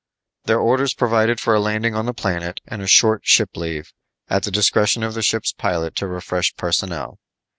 Their orders provided for a landing on the planet and a short ship leave, at the discretion of the ship's pilot to refresh personnel.